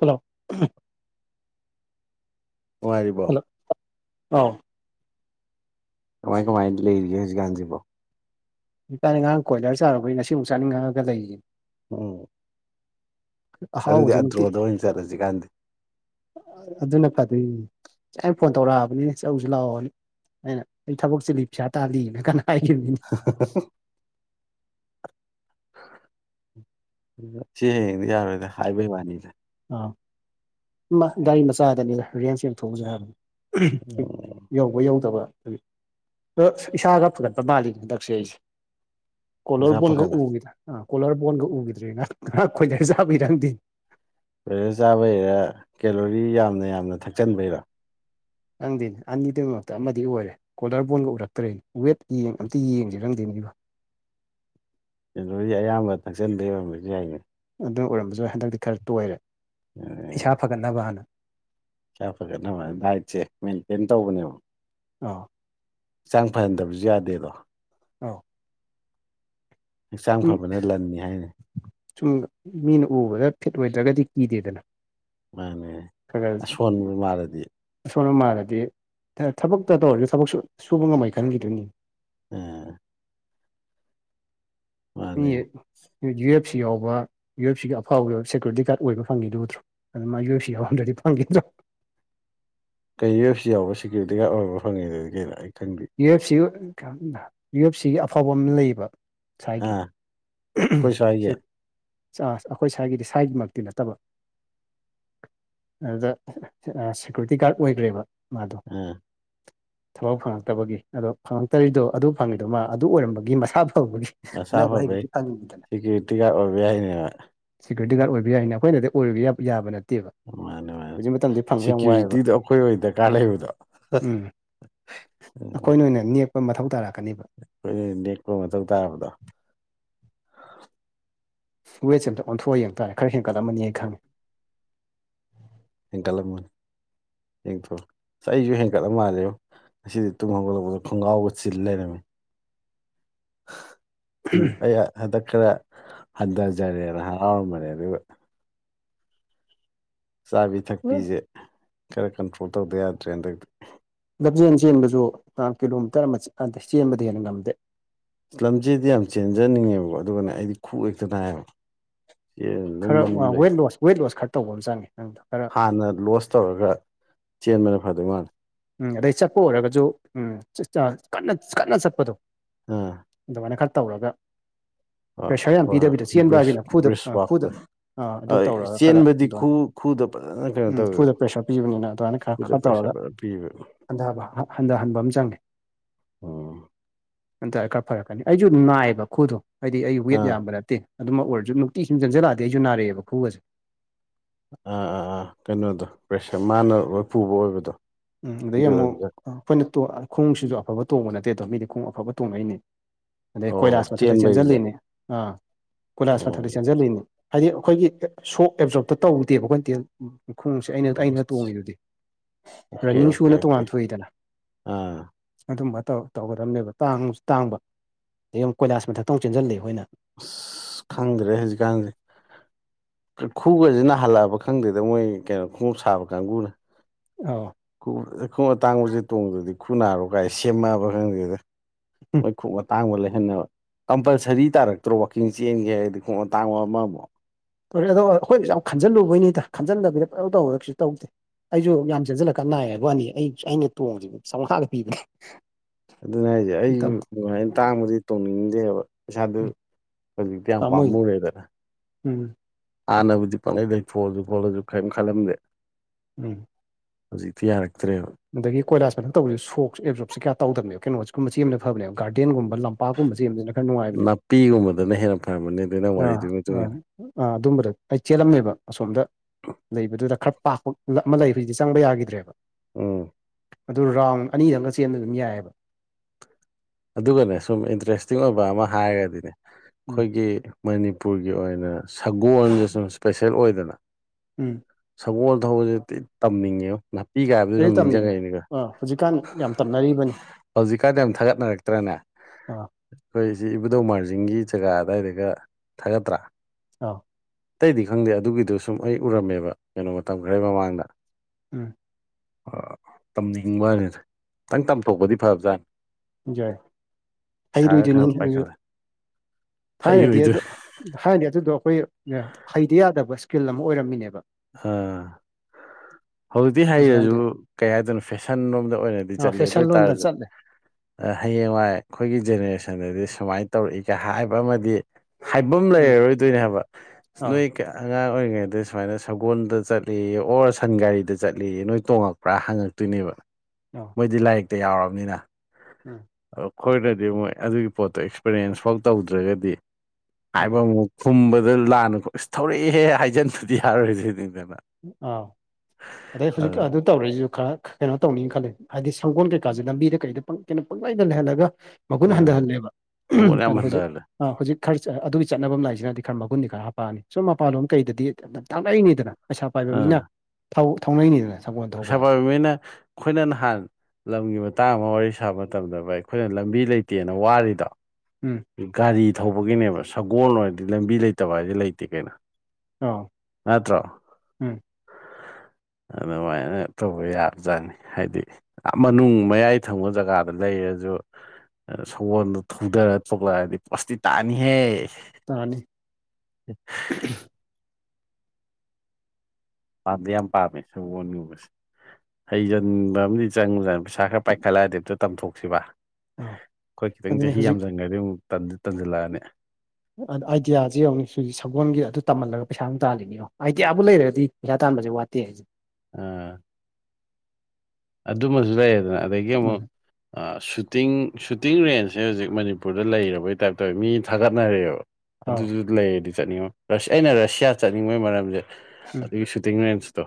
hello ꯅꯨꯡꯉꯥꯢꯔꯤꯕꯣ hello ꯑꯥꯎ ꯀꯃꯥꯏ ꯀꯃꯥꯏꯅꯗꯣ ꯂꯩꯔꯤꯒꯦ ꯍꯧꯖꯤꯛ ꯒꯥꯟꯁꯤꯕꯨ ꯢꯕꯥꯅꯤ ꯉꯔꯥꯡ ꯀꯣꯏꯂꯔ ꯆꯥꯔꯨꯔꯒꯤ ꯉꯁꯤꯐꯥꯎ ꯑꯃꯨꯛ ꯆꯥꯅꯤꯡꯉꯒ ꯂꯩꯔꯤꯅꯦ ꯑꯣ ꯑꯗꯨꯗꯤ ꯑꯍꯥꯎꯕꯁꯦ ꯅꯨꯡꯇꯤ ꯑꯗ꯭ꯔꯣꯗ ꯑꯣꯏꯅ ꯆꯠꯂꯁꯤ ꯀꯥꯟꯅꯗꯦ ꯑꯗꯨꯅ ꯐꯗꯣꯏꯅꯦ ꯑꯩꯅ ꯐꯣꯟ ꯇꯧꯔꯛꯑꯕꯅꯤꯅꯦ ꯆꯠꯂꯨꯁꯦ ꯂꯥꯛꯑꯣꯅ ꯑꯩꯅ ꯑꯩ ꯊꯕꯛ ꯆꯤꯟꯂꯤ ꯄꯤꯁꯥ ꯇꯥꯜꯂꯤꯅ ꯍꯥꯅ ꯍꯥꯏꯈꯤꯕꯅꯤꯅꯦ [unintelligible] ꯁꯤ ꯍꯌꯦꯡꯗꯤ ꯌꯥꯔꯣꯏꯗ ꯍꯥꯏꯕꯩ ꯋꯥꯅꯤꯗ ꯑꯥ ꯒꯥꯔꯤ ꯃꯆꯥꯗꯅꯤꯗ ꯔꯦꯟ ꯌꯦꯡ ꯊꯣꯛꯎꯁꯦ ꯍꯥꯏꯕꯅꯤ ꯎꯝ ꯌꯧꯕ ꯌꯧꯗꯕ ꯑꯗꯨ ꯏꯁꯥ ꯐꯨꯒꯠꯄ ꯃꯥꯜꯂꯤ ꯍꯟꯗꯛꯁꯦ ꯑꯩꯁꯦ ꯀꯣꯂꯔ ꯅꯁꯥ ꯄꯣꯟꯒ ꯐꯒꯠꯂ ꯎꯈꯤꯗ꯭ꯔꯥ ꯑꯥ ꯀꯣꯂꯔ ꯄꯣꯟꯒ ꯎꯈꯤꯗ꯭ꯔꯦ ꯉꯥ ꯉꯔꯥꯡ ꯀꯣꯢꯂꯥꯔ ꯆꯥꯕꯩꯔ ꯈꯪꯗꯦ ꯀꯣꯏꯂꯔ ꯆꯥꯕꯩꯔꯥ ꯀꯦꯂꯣꯔꯤ ꯌꯥꯝꯅ ꯌꯥꯝꯅ ꯊꯛꯆꯟꯕꯩꯔꯣ ꯅꯪꯗꯤ ꯑꯅꯤꯗꯨꯒꯤ ꯃꯔꯛꯇ ꯑꯃꯗꯤ ꯑꯣꯏꯔꯦ ꯀꯣꯜꯂꯥꯔ ꯕꯣꯟꯒ ꯎꯔꯛꯇ꯭ꯔꯦ ꯋꯦꯠ ꯑꯝꯇ ꯌꯦꯡꯁꯤꯔ ꯈꯪꯗꯦꯅꯦ ꯑꯩꯕꯣ ꯀꯦꯂꯤꯔꯤ ꯑꯌꯥꯝꯕ ꯊꯥꯛꯆꯤꯟꯕꯩ ꯑꯣꯏꯔꯝꯕꯁꯨ ꯌꯥꯏꯅꯦ ꯑꯗꯨ ꯑꯣꯏꯔꯝꯕꯁꯨ ꯌꯥꯢ ꯍꯟꯗꯛꯇꯤ ꯈꯔ ꯇꯣꯏꯔꯦ ꯏꯁꯥ ꯐꯒꯠꯅꯕ ꯍꯥꯢꯅ ꯢꯁꯥ ꯐꯒꯠꯅꯕ ꯗꯥꯏꯠꯁꯦ ꯃꯦꯟꯇꯦꯟ ꯇꯧꯕꯅꯦꯕ ꯑꯣ ꯍꯛꯆꯥꯡ ꯐꯍꯟꯗꯕꯁꯨ ꯌꯥꯗꯦꯗꯣ ꯑꯥꯎ ꯍꯛꯆꯥꯡ ꯁꯨꯝ ꯐꯕꯅ ꯂꯟꯅꯤ ꯍꯥꯏꯅꯤ ꯁꯨꯝ ꯃꯤꯅ ꯎꯨꯕꯗ ꯐꯤꯠ ꯑꯣꯏꯗ꯭ꯔꯒꯗꯤ ꯀꯤꯗꯦꯗꯅ ꯃꯥꯅꯦ ꯑꯁꯣꯟꯕ ꯃꯥꯜꯂꯗꯤ ꯑꯁꯣꯟꯕ ꯃꯥꯜꯂꯗꯤ ꯊꯕꯛꯇ ꯇꯧꯔꯁꯨ ꯊꯕꯛ ꯁꯨꯕ ꯉꯝꯃꯣꯏ ꯈꯟꯈꯤꯗꯨꯏꯅꯤ ꯎꯝ ꯃꯤ ꯃꯥꯅꯦ ꯌꯨ ꯑꯦꯐ ꯁꯤ ꯌꯥꯎꯕ ꯌꯨ ꯑꯦꯐ ꯁꯤꯒꯤ ꯑꯐꯥꯎꯞ ꯑꯣꯏꯕ ꯁꯦꯀ꯭ꯌꯨꯔꯤꯇꯤ ꯒꯥꯔꯠ ꯑꯣꯏꯕ ꯐꯪꯉꯤꯗꯣ ꯎꯨꯗ꯭ꯔꯣ ꯑꯗꯨ ꯃꯥ ꯌꯨ ꯑꯦꯞ ꯁꯤ ꯌꯥꯎꯔꯝꯗ꯭ꯔꯗꯤ ꯐꯪꯈꯤꯗ꯭ꯔꯣ ꯀꯩꯅꯣ ꯌꯨ ꯑꯦꯞ ꯁꯤ ꯌꯥꯎꯕ ꯁꯦꯀ꯭ꯌꯨꯔꯤꯇꯤ ꯒꯥꯔꯠ ꯑꯣꯏꯕ ꯐꯪꯉꯦ ꯑꯗꯨꯗꯤ ꯀꯩꯅꯣ ꯑꯩ ꯈꯪꯗꯦ U F C U F ꯁꯤꯒꯤ ꯑꯐꯕ ꯑꯃ ꯂꯩꯌꯦꯕ ꯁꯥꯏꯒꯤ ꯑꯥ ꯑꯩꯈꯣꯏ ꯁꯤ ꯁ꯭ꯋꯥꯏꯒꯤ ꯑꯩꯈꯣꯏ ꯁ꯭ꯋꯥꯏꯒꯤꯗꯤ ꯁ꯭ꯋꯥꯏꯒꯤꯃꯛꯇꯤ ꯅꯠꯇꯕ ꯑꯗꯨꯗ ꯁꯦꯀ꯭ꯌꯨꯔꯤꯇꯤ ꯒꯥꯔꯠ ꯑꯣꯏꯈ꯭ꯔꯦꯕ ꯃꯥꯗꯣ ꯎꯝ ꯊꯕꯛ ꯑꯃ ꯐꯪꯉ ꯇꯕꯒꯤ ꯑꯗꯣ ꯐꯪꯉꯛꯇꯔꯤꯗꯣ ꯑꯗꯨ ꯐꯪꯉꯤꯗꯣ ꯃꯥ ꯑꯗꯨ ꯑꯣꯏꯔꯝꯕꯒꯤ ꯃꯁꯥ ꯐꯪꯕꯒꯤ ꯃꯁꯥ ꯐꯕꯩ [unintelligible] ꯑꯣꯏꯕ ꯌꯥꯏꯅꯦꯕ ꯁꯦꯀꯨꯔꯤꯇꯤ ꯒꯥꯔꯗ ꯑꯣꯏꯕ ꯌꯥꯏꯅꯦ ꯑꯩꯈꯣꯏꯗꯤ ꯑꯣꯏꯕꯤ ꯌꯥꯝ ꯌꯥꯕꯅ ꯃꯥꯅꯦ ꯃꯥꯅꯦ ꯋꯥꯏꯑꯦꯕ ꯁꯦꯀ꯭ꯌꯨꯔꯤꯇꯤꯗꯣ ꯑꯩꯈꯣꯏ ꯑꯣꯏ ꯗꯔꯀꯥꯔ ꯂꯩꯕꯗꯣ ꯎꯝ ꯑꯩꯈꯣꯏꯅ ꯑꯣꯏꯅ ꯅꯦꯛꯄ ꯃꯊꯧ ꯇꯥꯔꯛꯀꯅꯦꯕ ꯑꯩꯈꯣꯏꯅ ꯅꯦꯛꯄ ꯃꯊꯧ ꯇꯥꯕꯗꯣ ꯋꯦꯠꯁ ꯑꯝꯇ ꯑꯣꯟꯊꯣꯛꯑ ꯌꯦꯡ ꯇꯥꯔꯦ ꯈꯔ ꯍꯦꯟꯀꯠꯂꯝꯃꯅꯤ ꯑꯩ ꯈꯪꯉꯦ ꯍꯦꯟꯀꯠꯂꯝꯃꯅꯤ ꯌꯦꯡꯊꯣꯛꯑꯣ ꯑꯩꯁꯨ ꯍꯦꯟꯀꯠꯂ ꯃꯥꯜꯂꯦ ꯉꯁꯤꯗꯤ ꯇꯨꯝ ꯍꯧꯒꯠꯂꯛꯄꯗ ꯈꯪꯒ꯭ꯔꯥꯎꯒ ꯆꯤꯜ ꯂꯩꯔꯝꯃꯤ ꯎꯝ ꯑꯩ ꯑ ꯍꯟꯗꯛ ꯈꯔ ꯍꯟꯊꯖꯔꯦꯅ ꯍꯔꯥꯎꯔꯝꯕꯅꯦ ꯑꯗꯨꯒ ꯆꯥꯕꯤ ꯊꯛꯄꯤꯖꯦ ꯈꯔ ꯀꯟꯇ꯭ꯔꯣꯜ ꯇꯧꯗ ꯌꯥꯗ꯭ꯔꯦ ꯍꯟꯗꯛꯇꯤ ꯂꯝꯖꯦꯟ ꯆꯦꯟꯕꯖꯨ ꯑ ꯀꯤꯂꯣꯃꯤꯇꯔ ꯑꯃ ꯐꯗꯦ ꯆꯦꯟꯕꯗꯩ ꯍꯦꯟꯅ ꯉꯝꯗꯦ ꯂꯝꯖꯦꯟꯗꯤ ꯌꯥꯝ ꯆꯦꯟꯖꯅꯤꯡꯉꯦꯕꯀꯣ ꯑꯗꯨꯒꯅꯦ ꯑꯩꯗꯤ ꯈꯨ ꯍꯦꯛꯇ ꯍꯥꯏꯌꯦꯕ ꯑꯦꯟ ꯈꯔ ꯂꯨꯝꯃꯟꯕꯩ ꯋꯦꯠ ꯂꯣꯁ ꯋꯦꯠ ꯂꯣꯁ ꯈꯔ ꯇꯧꯕ ꯑꯃ ꯆꯪꯉꯦ ꯅꯪꯗꯣ ꯈꯔ ꯍꯥꯟꯅ ꯂꯣꯁ ꯇꯧꯔꯒ ꯆꯦꯟꯕꯅ ꯐꯗꯣꯏ ꯃꯥꯟꯂꯦ ꯎꯝ ꯑꯗꯩ ꯆꯠꯄ ꯑꯣꯏꯔꯒꯖꯨ ꯎꯝ ꯆꯤꯠ ꯆꯥ ꯀꯟꯅ ꯀꯟꯅ ꯆꯠꯄꯗꯣ ꯑꯥ ꯑꯗꯨꯃꯥꯏꯅ ꯈꯔ ꯇꯧꯔꯒ ꯍꯣꯏ ꯄ꯭ꯔꯦꯁꯔ ꯌꯥꯝ ꯍꯣꯏ ꯄꯤꯗꯕꯤꯗ ꯍꯣꯏ ꯆꯦꯟꯕ ꯕ꯭ꯔꯤꯁ ꯑꯖꯤꯅ ꯈꯨꯗ ꯕ꯭ꯔꯤꯁ ꯑ‌ ꯋꯥꯛꯇ ꯈꯨꯗ ꯑꯥ ꯑꯗꯨ ꯇꯧꯔꯒ ꯈꯔ ꯆꯦꯟꯕꯗꯤ ꯑꯗꯨꯋ ꯈꯨ ꯈꯨꯗ ꯐꯖꯅ ꯀꯩꯅꯣ ꯎꯝ ꯇꯧꯋꯦꯕ ꯈꯨꯗ ꯄ꯭ꯔꯦꯁꯔ ꯄꯤꯕꯅꯤꯅ ꯑꯗꯨꯃꯥꯏꯅ ꯈꯔ ꯈꯔ ꯇꯧꯔꯒ ꯄꯤꯕꯑ ꯍꯟꯊꯕ ꯍꯥ ꯍꯟꯗꯍꯟꯕ ꯑꯃ ꯆꯪꯉꯦ ꯎꯝ ꯑꯟꯗꯥꯥꯏ ꯈꯥ ꯐꯔꯛꯀꯅꯤ ꯑꯩꯁꯨ ꯅꯥꯏꯌꯦꯕ ꯈꯨꯗꯣ ꯑꯩꯗꯤ ꯑꯩ ꯋꯦꯠ ꯑꯥ ꯌꯥꯝꯕ ꯅꯠꯇꯦ ꯑꯗꯨꯃꯛ ꯑꯣꯏꯔꯖꯨ ꯅꯨꯡꯇꯤ ꯁꯨꯝꯖꯦꯟꯖꯟꯂꯛꯑꯗꯤ ꯑꯩꯁꯨ ꯅꯥꯔꯛꯑꯦꯕ ꯈꯨꯎꯒꯖꯦ ꯑꯥ ꯑꯥ ꯑꯥ ꯀꯩꯅꯣꯗꯣ ꯄ꯭ꯔꯦꯁꯔ ꯃꯥꯅ ꯂꯣꯏ ꯄꯨꯕ ꯑꯣꯏꯕꯗꯣ ꯎꯝ ꯑꯗꯩ ꯑꯗꯨ ꯑꯃꯨꯛ ꯑꯣꯏꯕꯗ ꯑ ꯑꯩꯈꯣꯏꯅ ꯇꯣꯡ ꯑ ꯈꯣꯡꯎꯞꯁꯤꯁꯨ ꯑꯐꯕ ꯇꯣꯡꯕ ꯅꯠꯇꯦꯗꯣ ꯃꯤꯗꯤ ꯈꯣꯡꯎꯞ ꯑꯐꯕ ꯇꯣꯡꯅꯩꯅꯤ ꯑꯗꯩ ꯑꯣ ꯀꯣꯏꯂꯥꯁ ꯃꯊꯛꯇ ꯆꯦꯟꯕꯒꯤꯁꯦ ꯆꯦꯟꯁꯜꯂꯤꯅꯤ ꯑ ꯑꯣ ꯀꯣꯏꯂꯥꯁ ꯃꯊꯛꯇ ꯑꯣ ꯆꯦꯟꯁꯜꯂꯤꯅꯤ ꯍꯥꯏꯗꯤ ꯑꯈꯣꯏꯒꯤ ꯁꯣꯞ ꯑꯦꯞꯖꯣꯞꯇ ꯇꯧꯗꯦꯕ ꯗꯦꯜ ꯈꯣꯡꯁꯦ ꯑꯩꯅ ꯑꯩꯅ ꯇꯣꯡꯉꯤꯗꯨꯗꯤ ꯑꯣꯀꯦ ꯔꯟꯅꯤꯡ ꯑꯣꯀꯦ ꯁꯨꯑꯅ ꯑꯣꯀꯦ ꯇꯣꯉꯥꯟ ꯊꯣꯛꯏꯗꯅ ꯑꯥ ꯑꯗꯨꯝꯕ ꯇꯧ ꯇꯧꯒꯗꯕꯅꯦꯕ ꯇꯥꯡꯁꯨ ꯇꯥꯡꯕ ꯗꯩ ꯑꯃꯨꯛ ꯀꯣꯏꯂꯥꯁ ꯃꯊꯛꯇ ꯆꯦꯟꯖꯟꯂꯦ ꯑꯩꯈꯣꯏꯅ ꯑꯁ ꯈꯪꯗ꯭ꯔꯦ ꯍꯧꯖꯤꯛꯀꯥꯟꯖꯦ ꯈꯨꯎꯒꯖꯦ ꯅꯥꯍꯜꯂꯛꯑꯕ ꯈꯪꯗꯦꯗ ꯃꯣꯏ ꯀꯩꯅꯣ ꯈꯣꯡꯎꯞ ꯁꯥꯕ ꯀꯥꯡꯒꯨꯅ ꯑꯧ ꯈꯨꯎ ꯈꯣꯡ ꯑꯇꯥꯡꯕꯖꯦ ꯇꯣꯡꯗꯗꯤ ꯈꯨ ꯅꯥꯔꯣ ꯀꯥꯏ ꯁꯦꯝꯃꯛꯑꯕ ꯈꯪꯗꯦꯗ ꯎꯝ ꯑꯣꯏ ꯈꯨꯎꯞ ꯑꯇꯥꯡꯕ ꯂꯩꯍꯟꯅꯕ ꯀꯝꯄꯜꯁꯔꯤ ꯇꯥꯔꯛꯇ꯭ꯔꯣ ꯋꯥꯛꯀꯤꯡ ꯆꯦꯟꯒꯦ ꯍꯥꯏꯗꯤ ꯈꯣꯡꯎꯞ ꯑꯇꯥꯡꯕ ꯑꯃꯃꯨꯛ [unintelligible] ꯑꯈꯣꯏꯅꯖꯨ ꯌꯥꯝ ꯈꯟꯖꯜꯂꯨꯕꯩꯅꯤꯗ ꯈꯟꯖꯟꯗꯕꯤꯗ ꯄꯞ ꯕꯞ ꯇꯧꯕꯗ ꯀꯩꯁꯨ ꯇꯧꯗꯦ ꯑꯩꯖꯨ ꯌꯥꯝ ꯆꯦꯟꯖꯤꯜꯂꯀꯥꯟ ꯅꯥꯏꯑꯦ ꯍꯥꯏꯕꯋꯥꯅꯤ ꯑꯩ ꯑꯩꯅ ꯇꯣꯡꯉꯖꯤꯕꯨꯛ ꯆꯝꯉꯥꯒ ꯄꯤꯕꯅꯦ ꯑꯗꯨꯅꯦ ꯍꯥꯏꯖꯦ ꯑꯩꯖꯨ ꯇꯧꯗꯦ ꯑꯗꯨꯃꯥꯏ ꯇꯥꯡꯕꯗꯤ ꯇꯣꯡꯅꯤꯡꯗꯦꯕ ꯄꯩꯁꯥꯗꯨ ꯎꯝ ꯍꯧꯖꯤꯛꯇꯤ ꯌꯥꯝ ꯄꯥꯝꯃꯨꯏ ꯄꯥꯝꯃꯨꯔꯦꯗꯅ ꯎꯝ ꯍꯥꯟꯅꯕꯨꯗꯤ ꯄꯪꯂꯩ ꯂꯩꯊꯣꯛꯑꯖꯨ ꯈꯣꯠꯂꯖꯨ ꯀꯤꯝ ꯈꯜꯂꯝꯗꯦ ꯎꯝ ꯍꯧꯖꯤꯛꯇꯤ ꯌꯥꯔꯛꯇ꯭ꯔꯦꯕ ꯑꯗꯒꯤ ꯀꯣꯏꯂꯥꯁ ꯃꯊꯛꯇ ꯇꯧꯕꯖꯦ ꯁꯣꯛꯁ ꯑꯦꯞꯖꯣꯞꯁꯦ ꯀꯌꯥ ꯇꯧꯗꯕꯅꯦꯕ ꯀꯩꯅꯣꯒꯨꯝꯕ ꯆꯦꯟꯕꯅ ꯐꯕꯅꯦꯕ ꯒꯥꯔꯗꯦꯟꯒꯨꯝꯕ ꯂꯝ ꯄꯥꯛꯀꯨꯝꯕ ꯆꯦꯟꯕꯁꯤꯅ ꯈꯔ ꯅꯨꯡꯉꯥꯏꯕꯅꯦꯕ ꯅꯥꯄꯤꯒꯨꯝꯕꯗꯅ ꯍꯦꯟꯅ ꯐꯔꯝꯃꯅꯤ ꯑꯗꯨ ꯅꯪ ꯑꯥ ꯋꯥꯔꯤꯗꯨꯒꯤ ꯃꯇꯨꯡ ꯑꯥ ꯏꯟꯅ ꯑꯥ ꯑꯗꯨꯝꯕꯗ ꯑꯩ ꯆꯦꯜꯂꯝꯃꯦꯕ ꯑꯁꯣꯝꯗ ꯂꯩꯕꯗꯨꯗ ꯈꯔ ꯄꯥꯛꯄ ꯂ ꯑꯃ ꯂꯩ ꯍꯧꯖꯤꯛꯇꯤ ꯆꯪꯕ ꯌꯥꯒꯤꯗ꯭ꯔꯦꯕ ꯎꯝ ꯑꯗꯨ ꯔꯥꯎꯟ ꯑꯅꯤꯗꯪꯒ ꯆꯦꯟꯕꯗ ꯑꯗꯨꯝ ꯌꯥꯏꯑꯦꯕ ꯑꯗꯨꯒꯅꯦ ꯁꯨꯝ ꯏꯟꯇꯔꯦꯁꯇꯤꯡ ꯑꯣꯏꯕ ꯑꯃ ꯍꯥꯏꯔꯒꯗꯤꯅꯦ ꯎꯝ ꯑꯩꯈꯣꯏꯒꯤ ꯃꯅꯤꯄꯨꯔꯒꯤ ꯑꯣꯏꯅ ꯁꯒꯣꯜꯖꯦ ꯁꯨꯝ ꯁ꯭ꯄꯦꯁꯦꯜ ꯑꯣꯏꯗꯅ ꯎꯝ ꯁꯒꯣꯜ ꯊꯧꯕꯖꯦ ꯊꯤ ꯇꯝꯅꯤꯡꯉꯦꯉꯣ ꯑꯩꯖꯨ ꯇꯝꯅꯤꯡꯉꯦ ꯑꯥ ꯍꯧꯖꯤꯛꯀꯥꯟ ꯌꯥꯝ ꯇꯝꯅꯔꯤꯕꯅꯦ ꯍꯧꯖꯤꯛꯀꯥꯟꯗꯤ ꯌꯥꯝ ꯊꯥꯒꯠꯅꯔꯛꯇ꯭ꯔꯅꯦ ꯑꯥ ꯑꯩꯈꯣꯏ ꯁꯤ ꯏꯕꯨꯙꯧ ꯃꯥꯔꯖꯤꯡꯒꯤ ꯖꯒꯥ ꯑꯗꯨꯋꯥꯏꯗꯒ ꯊꯥꯒꯠꯇ꯭ꯔꯥ ꯑꯧ ꯑꯇꯩꯗꯤ ꯈꯪꯗꯦ ꯑꯗꯨꯒꯤꯗꯣ ꯁꯨꯝ ꯑꯩ ꯎꯔꯝꯃꯦꯕ ꯀꯩꯅꯣ ꯃꯇꯝ ꯈꯔ ꯃꯃꯥꯡꯗ ꯎꯝ ꯑꯥ ꯇꯝꯅꯤꯡꯕꯋꯥꯅꯤꯗ ꯑꯝꯇꯪ ꯇꯝꯊꯣꯛꯄꯗꯤ ꯐꯕꯖꯥꯠꯅꯦ ꯖꯥꯏ ꯈꯔ ꯍꯩꯔꯣꯏꯗꯣꯏꯅꯤꯅꯦ ꯑꯗꯨꯖꯨ ꯄꯥꯏꯈꯠꯂꯦ ꯊꯥꯏꯅꯗꯤ ꯍꯩꯔꯣꯏꯗꯣꯏ ꯑꯗꯨ ꯊꯥꯏꯟꯗꯤ ꯑꯗꯨꯗꯣ ꯑꯩꯈꯣꯏ ꯍꯩꯇ ꯌꯥꯗꯕ ꯁ꯭ꯀꯤꯜ ꯑꯃ ꯑꯣꯏꯔꯝꯃꯤꯅꯦꯕ ꯑꯥ ꯍꯧꯖꯤꯛꯇꯤ ꯍꯩꯔꯖꯨ ꯍꯧꯖꯤꯛꯀꯥꯟꯗꯤ ꯀꯩ ꯍꯥꯏꯗꯣꯏꯅꯣ ꯐꯦꯁꯟ ꯔꯣꯝꯗ ꯑꯣꯏꯅꯗꯤ ꯑꯥ ꯆꯠꯂꯦ ꯐꯦꯁꯟ ꯑꯗꯣꯏ ꯇꯥꯔꯖꯨ [inaudible] ꯍꯌꯦꯡꯋꯥꯏ ꯑꯩꯈꯣꯏꯒꯤ ꯖꯦꯅꯦꯔꯦꯁꯟꯗꯗꯤ ꯁꯨꯃꯥꯏꯟ ꯇꯧꯔꯛꯏ ꯀ ꯍꯥꯏꯕ ꯑꯃꯗꯤ ꯍꯥꯏꯕꯝ ꯎꯝ ꯂꯩꯔꯔꯣꯏꯗꯣꯏꯅꯦ ꯍꯥꯏꯕ ꯑꯥ ꯅꯣꯏ ꯑꯉꯥꯡ ꯑꯣꯏꯔꯤꯉꯩꯗ ꯁꯨꯃꯥꯏꯅ ꯁꯒꯣꯟꯗ ꯆꯠꯂꯦꯌꯦ ꯑꯣꯔ ꯁꯟꯒꯥꯔꯤꯗ ꯆꯠꯂꯦꯌꯦ ꯅꯣꯏ ꯇꯣꯡꯉꯛꯄ꯭ꯔꯥ ꯍꯪꯉꯛꯇꯣꯏꯅꯦꯕ [unintelligible] ꯃꯣꯏꯗꯤ ꯂꯥꯏꯔꯤꯛꯇ ꯌꯥꯎꯔꯕꯅꯤꯅ ꯎꯝ ꯑꯩꯈꯣꯏꯅꯗꯤ ꯃꯣꯏ ꯑꯗꯨꯏ ꯄꯣꯠꯇꯣ ꯑꯦꯛꯁꯄꯔꯤꯌꯦꯟꯁ ꯐꯥꯎ ꯇꯧꯗ꯭ꯔꯒꯗꯤ ꯎꯝ ꯍꯥꯏꯕ ꯑꯃꯨꯛ ꯈꯨꯝꯕꯗ ꯂꯥꯟꯅ ꯈꯣ ꯑꯁ ꯊꯧꯔꯛꯑꯦꯍꯦ ꯍꯥꯏꯖꯤꯟꯕꯗꯤ ꯌꯥꯔꯣꯏꯗꯨꯏꯅꯤꯗꯅ ꯑꯥꯎ ꯑꯗꯩ ꯍꯧꯖꯤꯛ ꯑꯗꯨ ꯇꯧꯔꯩꯖꯨ ꯈꯔ ꯈ ꯀꯩꯅꯣ ꯇꯧꯅꯤ ꯈꯜꯂꯦ ꯍꯥꯏꯗꯤ ꯁꯪꯒꯣꯟ ꯀꯩꯀꯥꯖꯦ ꯂꯝꯕꯤꯗ ꯀꯩꯗ ꯄꯪ ꯀꯩꯅꯣ ꯄꯪꯂꯩꯗ ꯂꯩꯍꯜꯂꯒ ꯃꯒꯨꯟ ꯑꯥ ꯍꯟꯗꯍꯜꯂꯦꯕ ꯃꯒꯨꯟ ꯌꯥꯝ ꯑꯗꯣ ꯍꯧꯖꯤꯛ ꯍꯟꯊꯍꯜꯂꯦ ꯑ ꯍꯨꯖꯤꯛ ꯈꯔ ꯆ ꯑꯗꯨꯒꯤ ꯆꯠꯅꯕꯝ ꯂꯥꯛꯏꯖꯤꯅꯗꯤ ꯈꯔ ꯃꯒꯨꯟꯗꯤ ꯈꯔ ꯍꯥꯞꯄꯛꯑꯅꯤ ꯁꯨꯝ ꯃꯄꯥꯟꯂꯣꯝ ꯀꯩꯗꯗꯤ [unintelligible] ꯇꯥꯡꯅꯩꯅꯤꯗꯅ ꯄꯩꯁꯥ ꯄꯥꯏꯕ ꯑꯥ ꯃꯤꯅ ꯊꯧ-ꯊꯧꯅꯩꯅꯤꯗꯅ ꯁꯪꯒꯣꯟ ꯊꯧꯕꯖꯦ ꯃꯣꯏꯅ ꯑꯩꯈꯣꯏꯅ ꯅꯍꯥꯟ ꯂꯝꯒꯤ ꯃꯇꯥꯡ ꯑꯃ ꯋꯥꯔꯤ ꯁꯥꯕ ꯃꯇꯝꯗ ꯑꯩꯈꯣꯏꯅ ꯂꯝꯕꯤ ꯂꯩꯇꯦꯅ ꯋꯥꯔꯤꯗꯣ ꯎꯝ ꯒꯥꯔꯤ ꯊꯧꯕꯒꯤꯅꯦꯕ ꯁꯒꯣꯜ ꯑꯣꯏꯔꯗꯤ ꯂꯝꯕꯤ ꯂꯩꯇꯕ ꯍꯥꯏꯁꯦ ꯂꯩꯇꯦ ꯀꯩꯅꯣ ꯑꯥ ꯅꯠꯇ꯭ꯔꯣ [unintelligible] [inaudible] ꯑꯗꯨꯃꯥꯏꯅ ꯇꯧꯕ ꯌꯥꯕꯖꯥꯠꯅꯤ ꯍꯥꯏꯗꯤ ꯃꯅꯨꯡ ꯃꯌꯥꯏ ꯊꯪꯕ ꯖꯒꯥꯗ ꯂꯩꯔꯁꯨ ꯁꯒꯣꯜꯗꯨ ꯊꯧꯗꯔ ꯊꯣꯛꯂꯛ ꯑꯥꯗꯤ ꯄꯣꯁꯇꯤ ꯇꯥꯅꯤꯍꯦ ꯇꯅꯤ [unintelligible] ꯄꯥꯝꯗꯤ ꯌꯥꯝ ꯄꯥꯝꯃꯦ ꯁꯒꯣꯜꯒꯨꯝꯕꯁꯦ ꯍꯩꯖꯤꯟꯕ ꯑꯃꯗꯤ ꯆꯪꯕ ꯖꯥꯅꯦ ꯄꯩꯁꯥ ꯈꯔ ꯄꯥꯏꯈꯠꯂꯛꯑꯗꯤ ꯑꯝꯇ ꯇꯝꯊꯣꯛꯁꯤꯕ ꯑꯧ ꯑꯩꯈꯣꯏ ꯈꯤꯇꯪ ꯑꯗꯨꯅꯤ ꯆꯍꯤ ꯍꯧꯖꯤꯛ ꯌꯥꯝꯁꯤꯟ ꯈ꯭ꯔꯗꯤ ꯑꯃꯨꯛ ꯇꯟꯁꯤꯜꯂꯛꯑꯅꯤ ꯑꯥꯏꯗꯤꯌꯥꯁꯤ ꯌꯦꯡꯉꯨꯅꯦ ꯁꯒꯣꯜꯒꯤ ꯑꯗꯨ ꯇꯝꯍꯜꯂꯒ ꯄꯩꯁꯥꯁꯨ ꯇꯥꯜꯂꯤꯅꯦ ꯑꯥꯏꯗꯤꯌꯥꯕꯨ ꯂꯩꯔꯒꯗꯤ ꯄꯩꯁꯥ ꯇꯥꯟꯕꯁꯦ ꯋꯥꯠꯇꯦ [unintelligible] ꯑꯗꯨꯃꯁꯨ ꯂꯩꯌꯦꯗꯅ ꯑꯗꯒꯤ ꯑꯃꯨꯛ ꯎꯝ ꯁꯨꯇꯤꯡ ꯁꯨꯇꯤꯡ ꯔꯦꯟꯖꯁꯦ ꯍꯧꯖꯤꯛ ꯃꯅꯤꯄꯨꯔꯗ ꯂꯩꯔꯕꯩ ꯇꯥꯏꯞꯇꯧꯋꯦ ꯃꯤ ꯊꯥꯒꯠꯅꯔꯛꯑꯦꯕ ꯑꯧ ꯑꯗꯨꯗꯨ ꯂꯩꯔꯗꯤ ꯆꯠꯅꯤꯡꯕ ꯑꯩꯅ ꯔꯁꯤꯌꯥ ꯆꯠꯅꯤꯡꯕꯒꯤ ꯃꯔꯝꯁꯦ ꯎꯝ ꯑꯗꯨꯒꯤ ꯁꯨꯇꯤꯡ ꯔꯦꯟꯖꯇꯣ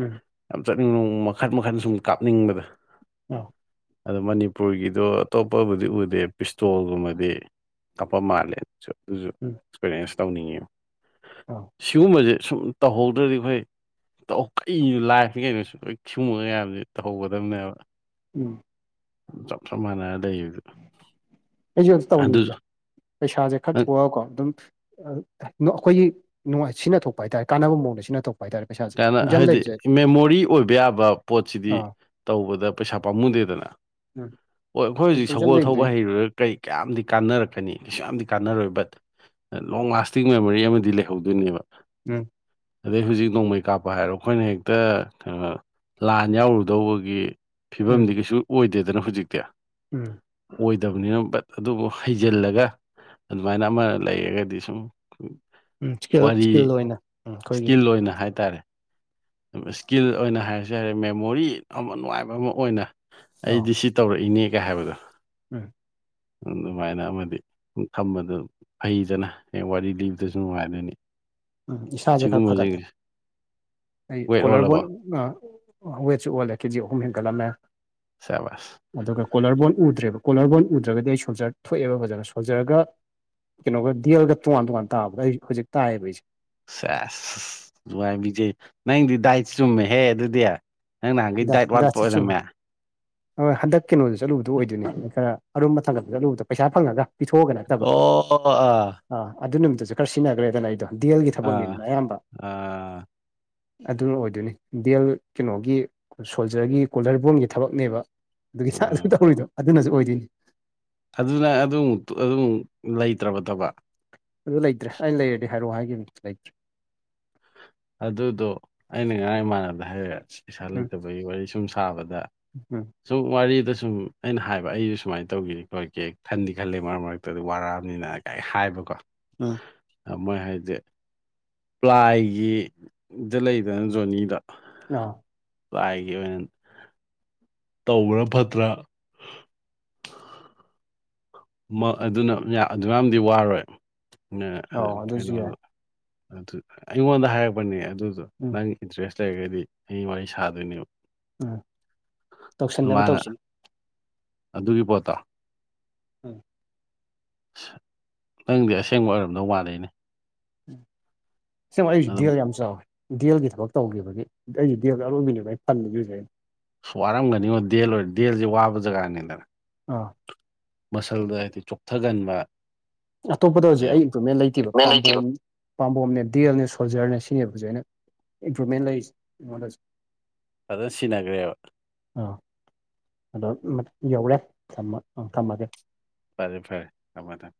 ꯎꯝ ꯌꯥꯝ ꯆꯠꯅꯤꯡꯕ ꯃꯈꯟ ꯃꯈꯟ ꯁꯨꯝ ꯀꯥꯞꯅꯤꯡꯕꯗꯣ [unintelligible] ꯑꯗꯣ ꯃꯅꯤꯄꯨꯔꯒꯤꯗꯣ ꯑꯇꯣꯞꯄꯕꯨꯗꯤ ꯎꯗꯦ ꯄꯤꯁꯇꯣꯜꯒꯨꯝꯕꯗꯤ ꯀꯞꯄ ꯃꯥꯜꯂꯦꯁꯨ ꯑꯗꯨꯁꯨ ꯎꯝ ꯑꯦꯛꯁꯄꯤꯔꯤꯌꯦꯟꯁ ꯇꯧꯅꯤꯡꯉꯦꯕ ꯑꯧ ꯁꯤꯒꯨꯝꯕꯁꯦ ꯁꯨꯝ ꯇꯧꯍꯧꯗ꯭ꯔꯗꯤ ꯑꯩꯈꯣꯏ ꯀꯩ ꯂꯥꯏꯐꯇ ꯀꯩꯅꯣꯁꯨ ꯍꯣꯏ ꯁꯤꯒꯨꯝꯕ ꯃꯌꯥꯝꯁꯤ ꯇꯧꯍꯧꯒꯗꯕꯅꯦꯕ ꯎꯝ ꯆꯞ ꯆꯞ ꯃꯥꯟꯅꯔ ꯂꯩꯕꯗꯨ ꯑꯩꯁꯨ ꯑꯝꯇ ꯑꯗꯨ ꯇꯧꯅꯤꯡꯉꯤꯗ ꯄꯩꯁꯥꯁꯦ ꯈꯔ ꯅꯪ ꯊꯣꯛꯑꯒꯀꯣ ꯑꯗꯨꯝ ꯑꯩꯈꯣꯏꯒꯤ ꯁꯤꯅ ꯊꯣꯛꯄ ꯍꯥꯏꯇꯥꯔꯦ ꯀꯥꯟꯅꯕ ꯃꯑꯣꯡꯗ ꯁꯤꯅ ꯊꯣꯛꯄ ꯍꯥꯏꯇꯥꯔꯦ ꯄꯩꯁꯥꯁꯦ ꯀꯅ ꯇꯨꯡꯖꯟ ꯍꯥꯏꯗꯤ ꯂꯩꯕꯁꯦ ꯃꯦꯃꯣꯔꯤ ꯑꯣꯏꯕ ꯌꯥꯕ ꯄꯣꯠꯁꯤꯗꯤ ꯑꯥ ꯇꯧꯕꯗ ꯄꯩꯁꯥ ꯄꯥꯝꯃꯨꯗꯦꯗꯅ ꯎꯝ ꯑꯣ ꯑꯩꯈꯣꯏ ꯍꯧꯖꯤꯛ ꯇꯨꯡꯖꯟ ꯁꯒꯣꯜ ꯊꯧꯕ ꯂꯩꯕꯗꯤ ꯍꯩꯔꯨꯔ ꯀꯩ ꯀꯌꯥꯝꯗꯤ ꯀꯥꯟꯅꯔꯛꯀꯅꯤ ꯀꯩꯁꯨ ꯌꯥꯝꯗꯤ ꯀꯥꯟꯅꯔꯣꯏ ꯕꯠ ꯂꯣꯡ ꯂꯥꯁꯇꯤꯡ ꯃꯦꯃꯣꯔꯤ ꯑꯃꯗꯤ ꯂꯩꯍꯧꯗꯣꯏꯅꯦꯕ ꯎꯝ ꯑꯗꯩ ꯍꯧꯖꯤꯛ ꯅꯣꯡꯃꯩ ꯀꯥꯞꯄ ꯍꯥꯏꯔꯣ ꯑꯩꯈꯣꯏꯅ ꯍꯦꯛꯇ ꯂꯥꯟ ꯌꯥꯎꯔꯨꯗꯧꯕꯒꯤ ꯎꯝ ꯐꯤꯕꯝꯗꯤ ꯀꯩꯁꯨ ꯑꯣꯏꯗꯦꯗꯅ ꯍꯧꯖꯤꯛꯇꯤ ꯎꯝ ꯑꯣꯏꯗꯕꯅꯤꯅ ꯕꯠ ꯑꯗꯨꯕꯨ ꯍꯩꯖꯤꯜꯂꯒ ꯑꯗꯨꯃꯥꯏꯅ ꯑꯃ ꯂꯩꯔꯒꯗꯤ ꯁꯨꯝ ꯎꯝ ꯏꯁꯀꯤꯜ ꯋꯥꯔꯤ ꯏꯁꯀꯤꯜ ꯑꯣꯏꯅ ꯎꯝ ꯑꯩꯈꯣꯏꯒꯤ ꯏꯁꯀꯤꯜ ꯑꯣꯏꯅ ꯍꯥꯏꯇꯥꯔꯦ ꯏꯁꯀꯤꯜ ꯑꯣꯏꯅ ꯍꯥꯏꯔꯁꯨꯦ ꯍꯥꯏꯔꯦ ꯃꯦꯃꯣꯔꯤ ꯌꯥꯝ ꯅꯨꯡꯉꯥꯏꯕ ꯑꯃ ꯑꯣꯏꯅ ꯑ ꯑꯩꯗꯤ ꯁꯤ ꯇꯧꯔꯛꯏꯅꯦꯒ ꯍꯥꯏꯕꯗꯣ ꯎꯝ ꯑꯗꯨꯃꯥꯏꯅ ꯑꯃꯗꯤ ꯊꯝꯕꯗꯨ ꯐꯩꯗꯅ ꯍꯦꯛ ꯋꯥꯔꯤ ꯂꯤꯕꯗꯁꯨ ꯅꯨꯡꯉꯥꯏꯗꯣꯏꯅꯤ ꯎꯝ ꯏꯁꯥꯁꯦ ꯈꯔ ꯁꯤꯒꯨꯝꯕꯁꯦ ꯐꯒꯠꯂꯦ ꯑꯩ ꯋꯦꯠ ꯀꯣꯂꯔꯕꯣꯟ ꯑꯣꯜꯂꯕꯣ ꯑꯥ ꯋꯦꯠꯁꯨ ꯑꯣꯟꯂꯦ ꯀꯦꯖꯤ ꯑꯍꯨꯝ ꯍꯦꯟꯒꯠꯂꯝꯃꯦ [unintelligible] ꯑꯗꯨꯒ ꯀꯣꯂꯔ ꯕꯣꯟ ꯎꯗ꯭ꯔꯦꯕ ꯀꯣꯂꯔ ꯕꯣꯔꯣꯟ ꯎꯗ꯭ꯔꯒꯗꯤ ꯑꯩ ꯁꯣꯜꯖꯔ ꯊꯣꯛꯑꯦꯕ ꯐꯖꯅ ꯁꯣꯜꯖꯔꯒ ꯀꯩꯅꯣꯒ ꯗꯗꯤꯌꯜꯒ ꯇꯣꯉꯥꯟ ꯇꯣꯉꯥꯟ ꯇꯥꯕꯗ ꯑꯩ ꯍꯧꯖꯤꯛ ꯇꯥꯏꯌꯦꯕ ꯑꯩꯁꯦ ꯁꯦꯁ ꯅꯨꯪꯉꯥꯏꯕꯤꯖꯩ ꯅꯪꯗꯤ ꯗꯥꯏꯁ ꯁꯨꯝꯃꯦꯍꯦ ꯑꯗꯨꯗꯤ ꯅꯪ ꯅꯍꯥꯟꯒꯩ ꯗꯥ ꯗꯥꯏꯠ ꯗꯥ ꯋꯥꯠꯄ ꯆꯤꯆꯨ ꯑꯣꯏꯔꯝꯃꯦ ꯍꯣꯏ ꯍꯟꯗꯛ ꯀꯤꯅꯣꯗ ꯆꯠꯂꯨꯗꯣ ꯑꯣꯏꯗꯣꯏꯅꯦ ꯈꯔ ꯑꯔꯨꯝꯕꯊꯪꯒꯠꯄ ꯆꯠꯂꯨꯕꯗꯣ ꯄꯩꯁꯥ ꯐꯪꯉꯒ ꯄꯤꯊꯣꯛꯑꯒ ꯅꯠꯇꯕ ꯑꯣ ꯑꯥ ꯑꯥ ꯑꯗꯨ ꯅꯨꯃꯤꯠꯇꯁꯨ ꯈꯔ ꯁꯤꯖꯟꯅꯒ꯭ꯔꯦꯗꯅ ꯑꯩꯗꯣ ꯗꯦꯜꯒꯤ ꯑꯥ ꯊꯕꯛꯅꯤꯗꯅ ꯑꯌꯥꯝꯕ ꯑꯥ ꯑꯗꯨꯅ ꯑꯣꯏꯗꯣꯏꯅꯤ ꯗꯦꯜ ꯀꯩꯅꯣꯒꯤ ꯁꯣꯜꯖꯔꯒꯤ ꯀꯣꯜꯗꯔ ꯕꯣꯟꯒꯤ ꯊꯕꯛꯅꯦꯕ ꯑꯗꯨꯒꯤ ꯑꯥ ꯇꯧꯔꯤꯗꯣ ꯑꯗꯨꯅꯁꯨ ꯑꯣꯏꯗꯣꯏꯅꯤ ꯑꯗꯨꯅ ꯑꯗꯨ ꯑꯗꯨꯝ ꯂꯩꯇ꯭ꯔꯕ ꯊꯕꯛ ꯑꯗꯨ ꯂꯩꯇ꯭ꯔꯦ ꯑꯩꯅ ꯂꯩꯔꯗꯤ ꯍꯥꯏꯔꯛꯑꯣ ꯍꯥꯏꯒꯤꯕꯅꯦ ꯂꯩꯇ꯭ꯔꯦ ꯑꯗꯨꯗꯣ ꯑꯩꯅ ꯉꯔꯥꯡ ꯏꯃꯥꯟꯅꯕꯗ ꯍꯥꯏꯔꯦ ꯄꯩꯁꯥ ꯎꯝ ꯂꯩꯇꯕꯒꯤ ꯋꯥꯔꯤ ꯁꯨꯝ ꯁꯥꯕꯗ [unintelligible] ꯁꯨꯝ ꯋꯥꯔꯤꯗꯁꯨꯝ ꯑꯩꯅ ꯍꯥꯏꯕ ꯑꯩꯁꯨ ꯁꯨꯃꯥꯏꯅ ꯇꯧꯒꯦ ꯈꯣꯠꯀꯦ ꯈꯟꯗꯤ ꯈꯜꯂꯤ ꯃꯔꯛ ꯃꯔꯛꯇ ꯑꯗꯣ ꯋꯥꯔꯛꯑꯕꯅꯤꯅ ꯑꯩ ꯍꯥꯏꯕꯀꯣ ꯑꯥ ꯑ ꯃꯣꯏ ꯍꯥꯏꯖꯦ ꯄ꯭ꯂꯥꯏꯒꯤ ꯗ ꯂꯩꯗꯅ ꯖꯣꯟꯅꯤꯗ ꯅꯣ ꯄꯥꯏꯒꯦ ꯑꯣꯏꯅ ꯇꯧꯕꯅ ꯐꯠꯇ꯭ꯔꯥ ꯃꯥ ꯑꯗꯨꯅ ꯌꯥ ꯑꯗꯨꯌꯥꯝꯗꯤ ꯋꯥꯔꯣꯏ ꯅ ꯍ ꯑꯧ ꯑꯗꯨꯁꯨ ꯌꯥꯏ ꯀꯩꯅꯣꯗꯣ ꯑꯗꯨ ꯑꯩꯉꯣꯟꯗ ꯍꯥꯏꯔꯛꯄꯅꯦ ꯑꯗꯨꯗꯣ ꯎꯝ ꯅꯪꯒꯤ ꯏꯟꯇ꯭ꯔꯦꯁ ꯂꯩꯔꯒꯗꯤ ꯑꯩ ꯋꯥꯔꯤ ꯁꯥꯗꯣꯏꯅꯦꯕ ꯑ ꯑꯗꯨ ꯇꯧꯁꯟꯅꯕ ꯃꯥꯅ ꯇꯧꯁꯤꯅꯦ ꯑꯗꯨꯒꯤ ꯄꯣꯠꯇꯣ ꯎꯝ ꯁ ꯅꯪꯗꯤ ꯑꯁꯦꯡꯕ ꯑꯣꯏꯔꯝꯗꯧ ꯃꯥꯂꯤꯅꯦ ꯑꯁꯦꯡꯕ ꯑꯩ ꯑꯗꯨꯝ ꯗꯦꯜ ꯌꯥꯝ ꯆꯥꯎꯋꯦ ꯗꯦꯜꯒꯤ ꯊꯕꯛ ꯇꯧꯒꯤꯕꯒꯤ ꯑꯩ ꯗꯦꯜꯗ ꯑꯔꯣꯏꯕꯤꯅꯦꯕ ꯑꯩꯅ ꯇꯝꯃꯤꯖꯦ ꯍꯧꯖꯤꯛ ꯑꯩꯅ ꯋꯥꯔꯝꯒꯅꯤꯉꯣ ꯗꯦꯜ ꯂꯣ ꯗꯦꯜꯁꯦ ꯋꯥꯕ ꯖꯒꯥꯅꯤꯗꯅ ꯑꯧ ꯃꯁꯜꯗꯣ ꯍꯥꯏꯗꯤ ꯆꯣꯛꯊꯒꯟꯕ ꯑꯇꯣꯞꯄꯗ ꯍꯧꯖꯤꯛ ꯑꯌꯨꯛ ꯑꯩ ꯏꯝꯄ꯭ꯔꯨꯚꯃꯦꯟꯗ ꯂꯩꯇꯦꯕ ꯄꯥꯝꯕꯣꯝ ꯄꯥꯝꯕꯣꯝꯅꯦ ꯗꯦꯜꯅꯦ ꯁꯣꯜꯖꯔꯅꯦ ꯁꯤꯅꯦꯕꯍꯧꯖꯤꯛ ꯑꯩꯅ ꯏꯝꯄ꯭ꯔꯨꯚꯃꯦꯟꯗ ꯂꯩꯁꯤ ꯑꯩꯉꯣꯟꯗ ꯍꯧꯖꯤꯛ ꯑꯗ ꯁꯤꯟꯅꯒ꯭ꯔꯦꯕ ꯑꯥ ꯑꯗꯣ ꯎꯝ ꯌꯧꯔꯦ ꯊꯝꯃꯥ ꯑ ꯊꯝꯃꯒꯦ ꯐꯔꯦ ꯐꯔꯦ ꯊꯝꯃꯣ ꯊꯝ